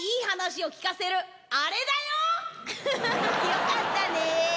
よかったね。